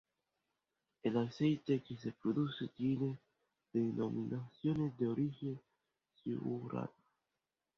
El aceite que se produce tiene denominación de origen Siurana.